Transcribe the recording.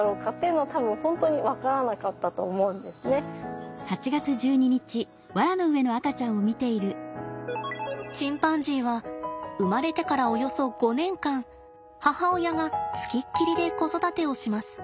多分チンパンジーは生まれてからおよそ５年間母親がつきっきりで子育てをします。